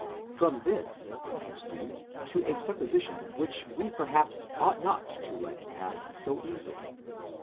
From this they proceed to a supposi tion which we perhaps ought not to let pass so easily